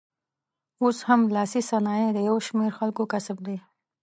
اوس هم لاسي صنایع د یو شمېر خلکو کسب دی.